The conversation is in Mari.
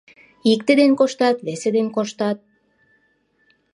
Икте ден коштат, весе ден коштат -